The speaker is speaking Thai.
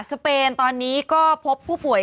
สเปนตอนนี้ก็พบผู้ป่วย